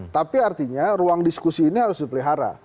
tapi artinya ruang diskusi ini harus dipelihara